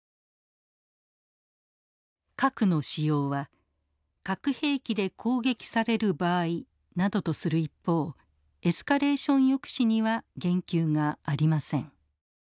核の使用は核兵器で攻撃される場合などとする一方エスカレーション抑止には言及がありません。